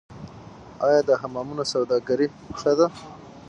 آیا د حمامونو سوداګري ښه ده؟